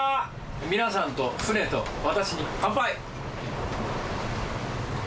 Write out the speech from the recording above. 皆さんと船と私に乾杯。